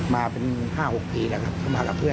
มาเป็น๕๖ปีแล้วครับก็มากับเพื่อน